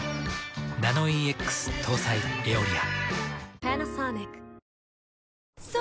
ナノイーＸ搭載「エオリア」。